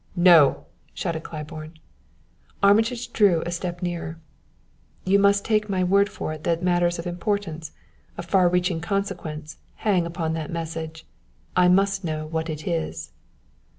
"No!" shouted Claiborne. Armitage drew a step nearer. "You must take my word for it that matters of importance, of far reaching consequence, hang upon that message. I must know what it is."